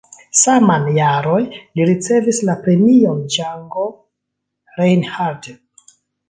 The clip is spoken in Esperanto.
Saman jaroj li ricevis la Premion Django Reinhardt.